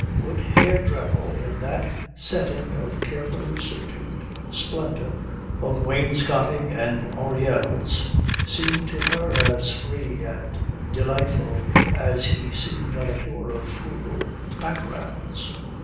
Would Herr Dremmel in that setting of carefully subdued splendour, of wainscoting and oriels, seem to her as free and delightful as he seemed on a tour of frugal backgrounds?